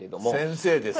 先生ですね。